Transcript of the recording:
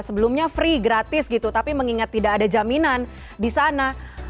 sebelumnya free gratis gitu tapi mengingat tidak ada jaminan di sana